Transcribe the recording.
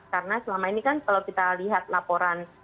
karena selama ini kan kalau kita lihat laporan